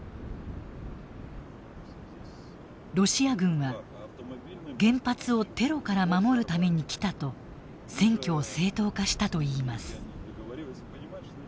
ロシア軍は「原発をテロから守るために来た」と占拠を正当化したといいます。